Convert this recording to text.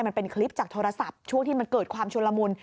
มันเป็นคลิปจากโทรศัพท์ช่วงที่มันเกิดความชุนละมุน